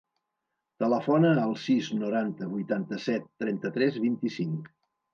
Telefona al sis, noranta, vuitanta-set, trenta-tres, vint-i-cinc.